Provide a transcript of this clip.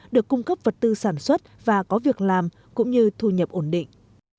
được cung cấp vật tư sản xuất và có việc làm cũng như thu nhập ổn định